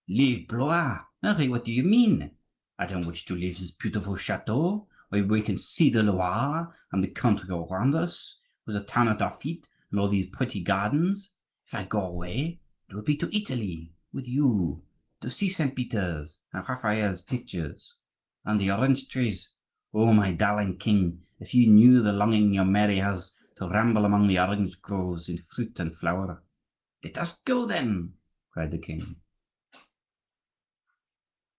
"Leave Blois! Mary, what do you mean? I don't wish to leave this beautiful chateau, where we can see the Loire and the country all round us, with a town at our feet and all these pretty gardens. If I go away it will be to Italy with you, to see St. Peter's, and Raffaelle's pictures." "And the orange trees? Oh! my darling king, if you knew the longing your Mary has to ramble among the orange groves in fruit and flower!" "Let us go, then!" cried the king.